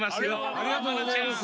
ありがとうございます。